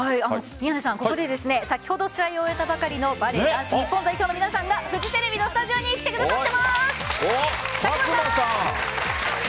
ここで先ほど試合を終えたばかりのバレー男子日本代表の皆さんがフジテレビのスタジオに佐久間さん。